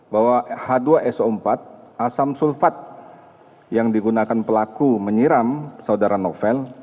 bahwa h dua so empat asam sulfat yang digunakan pelaku menyiram saudara novel